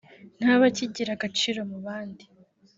ntabe akigira agaciro mu bandi